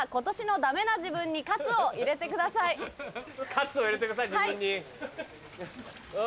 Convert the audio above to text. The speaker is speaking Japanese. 活を入れてください自分に。